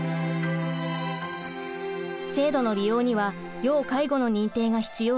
制度の利用には要介護の認定が必要です。